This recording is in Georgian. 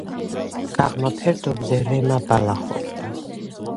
გაღმა ფერდობზე რემა ბალახობდა.